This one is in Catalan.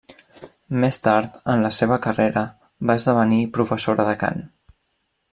Més tard en la seva carrera va esdevenir professora de cant.